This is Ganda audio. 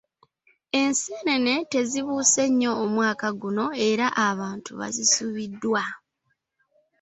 Enseenene tezibuuse nnyo omwaka guno era abantu bazisubiddwa.